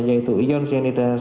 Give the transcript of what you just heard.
yaitu ion cyanida